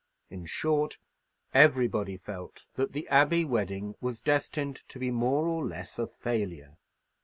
In short, everybody felt that the Abbey wedding was destined to be more or less a failure.